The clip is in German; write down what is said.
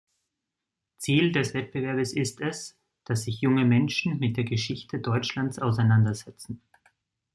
Ziel des Wettbewerbs ist es, dass sich junge Menschen mit der Geschichte Deutschlands auseinandersetzen.